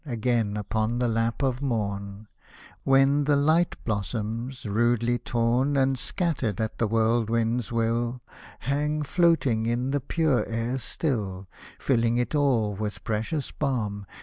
Again upon the lap of Moiti !— When the light blossoms, rudely torn And scattered at the w^hirlwind's will, Hang floating in the pure air still, Filling it all with precious balm.